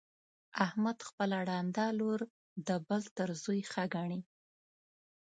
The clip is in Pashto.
احمد خپله ړنده لور د بل تر زوی ښه ګڼي.